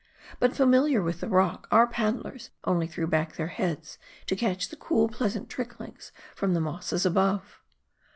But familiar with the^rqck, our paddlers only threw back their heads, to catch the 009!, pleasant tricklings from the mosses above.